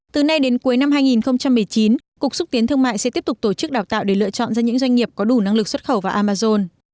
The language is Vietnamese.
từ nay đến cuối năm hai nghìn một mươi chín cục xúc tiến thương mại sẽ tiếp tục tổ chức đào tạo để lựa chọn ra những doanh nghiệp có đủ năng lực xuất khẩu vào amazon